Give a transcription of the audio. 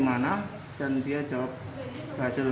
menurut pak arindo j gabriel